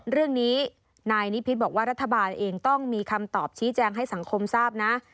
เรื่องนี้นายนิพิษบอกว่ารัฐบาลเองต้องมีคำตอบชี้แจงให้สังคมทราบนะ